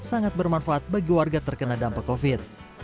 sangat bermanfaat bagi warga terkena dampak covid sembilan belas